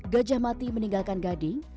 gajah mati meninggalkan gading